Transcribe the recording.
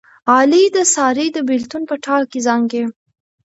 علي د سارې د بلېتون په ټال کې زانګي.